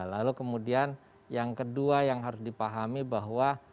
lalu kemudian yang kedua yang harus dipahami bahwa